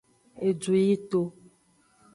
Edu yito.